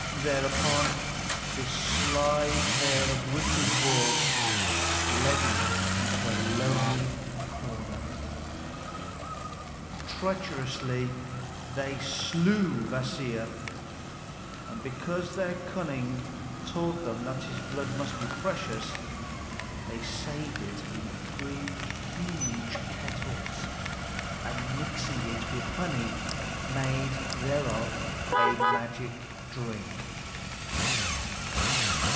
Thereupon this sly pair of wicked dwarfs led him into a lonely corner. Treacherously they slew Kvasir; and because their cunning taught them that his blood must be precious, they saved it in three huge kettles, and mixing it with honey, made thereof a magic drink.